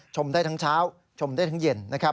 ชมได้ทั้งเช้าชมได้ทั้งเย็นนะครับ